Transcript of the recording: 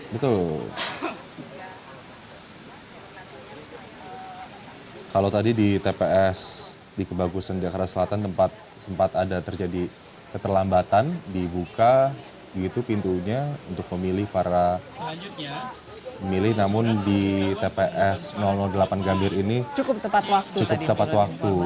betul kalau tadi di tps di kebagusan jakarta selatan tempat tempat ada terjadi keterlambatan dibuka gitu pintunya untuk memilih para pemilih namun di tps delapan gambir ini cukup tepat waktu